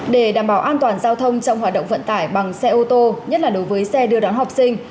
để đảm bảo an toàn giao thông trong hoạt động vận tải bằng xe ô tô nhất là đối với xe đưa đón học sinh